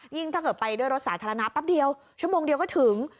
ถ้าเกิดไปด้วยรถสาธารณะแป๊บเดียวชั่วโมงเดียวก็ถึง